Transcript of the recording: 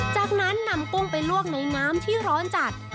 จากนั้นนำกุ้งไปลวกในน้ำที่ร้อนจัด